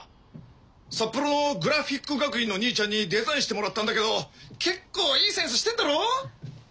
札幌のグラフィック学院のにいちゃんにデザインしてもらったんだけど結構いいセンスしてっだろ？